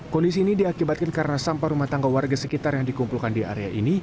kondisi ini diakibatkan karena sampah rumah tangga warga sekitar yang dikumpulkan di area ini